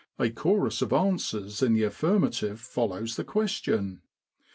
(A chorus of answers in the affirmative follows the question.)